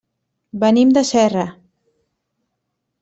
Venim de Serra.